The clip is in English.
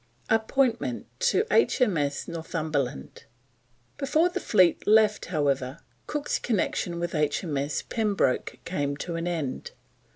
APPOINTMENT TO H.M.S. NORTHUMBERLAND. Before the fleet left, however, Cook's connection with H.M.S. Pembroke came to an end.